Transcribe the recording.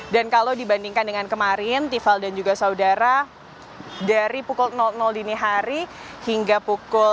dan kalau dibandingkan dengan kemarin tifal dan juga saudara dari pukul hari hingga pukul